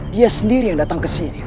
dia sendiri yang datang ke sini